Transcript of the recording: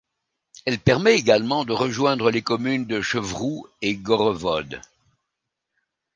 Elle permet également de rejoindre les communes de Chevroux et Gorrevod.